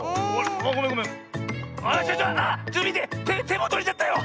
てもとれちゃったよ！